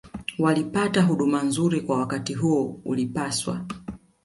walipata huduma nzuri Kwa wakati huo ulipaswa